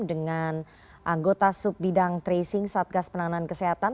dengan anggota sub bidang tracing satgas penanganan kesehatan